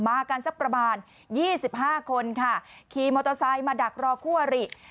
มากันสักประมาณ๒๕คนค่ะขี่มอเตอร์ไซค์มาดักรอคู่อริ